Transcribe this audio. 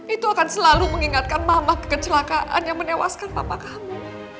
itu akan selalu mengingatkan mama kecelakaan yang menewaskan bapak kamu